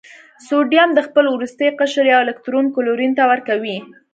سوډیم د خپل وروستي قشر یو الکترون کلورین ته ورکوي.